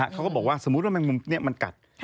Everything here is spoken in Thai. เขาก็บอกว่าสมมุติว่าแมงมุมนี้มันกัด